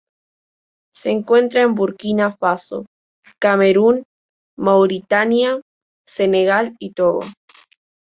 Se encuentra en Burkina Faso, Camerún, Mauritania, Senegal y Togo.